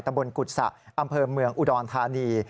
บนกุศะอำเภอเมืองอุดรธานี